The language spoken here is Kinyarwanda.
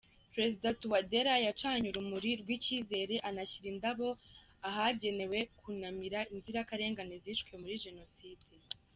Perezida Touadéra yacanye urumuri rw’icyizere, anashyira indabo ahagenewe kunamira inzirakarengane zishwe muri Jenoside.